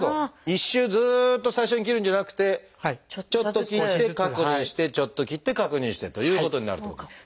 一周ずっと最初に切るんじゃなくてちょっと切って確認してちょっと切って確認してということになるっていうこと。